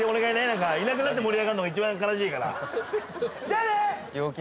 何かいなくなって盛り上がるのが一番悲しいからじゃあね！